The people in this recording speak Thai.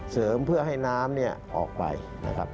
เพื่อให้น้ำออกไปนะครับ